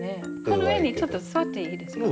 この上にちょっと座っていいですか？